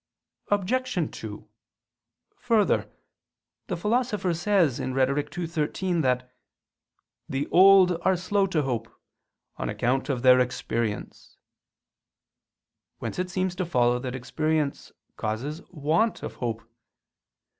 Obj. 2: Further, the Philosopher says (Rhet. ii, 13) that "the old are slow to hope, on account of their experience"; whence it seems to follow that experience causes want of hope.